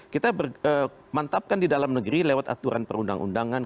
kita mantapkan di dalam negeri lewat aturan perundang undangan